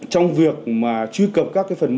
trong việc mà truy cập các cái phần mềm